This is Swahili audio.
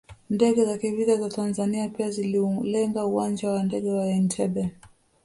Ndege za kivita za Tanzania pia ziliulenga uwanja wa ndege wa Entebbe